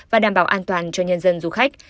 và đảm bảo an toàn cho nhân dân du khách